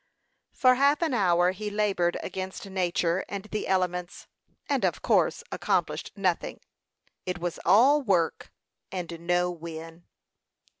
For half an hour he labored against nature and the elements, and of course accomplished nothing. It was all "work" and no "win."